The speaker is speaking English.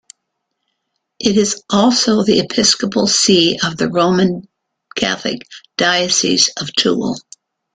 It is also the episcopal see of the Roman Catholic Diocese of Tulle.